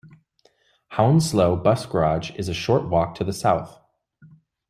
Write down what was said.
Hounslow bus garage is a short walk to the south.